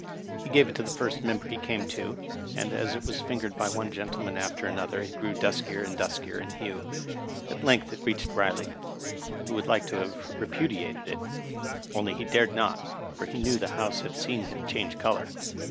He gave it to the first member he came to, and as it was fingered by one gentleman after another it grew dnskier and duskier in hue. At length it reached Eiley, who would like to have repudiated it, only he dared not, for he knew the House had seen him change color.